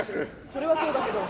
それはそうだけど。